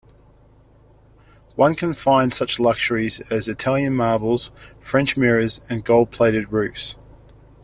One can find such luxuries as Italian marbles, French mirrors, and gold-plated roofs.